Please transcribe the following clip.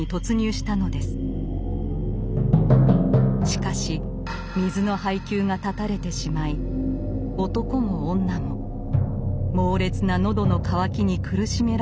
しかし水の配給が断たれてしまい男も女も猛烈な喉の渇きに苦しめられることになります。